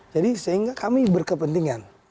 jadi sehingga kami berkepentingan